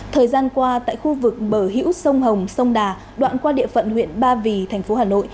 thời gian qua tại khu vực bờ hữu sông hồng sông đà đoạn qua địa phận huyện ba vì thành phố hà nội